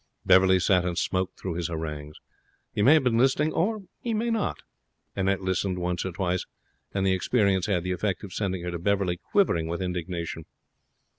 Beverley sat and smoked through his harangues. He may have been listening, or he may not. Annette listened once or twice, and the experience had the effect of sending her to Beverley, quivering with indignation.